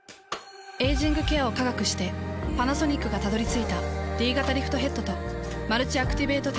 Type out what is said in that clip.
エイジングケアを科学してパナソニックがたどり着いたＤ型リフトヘッドとマルチアクティベートテクノロジー。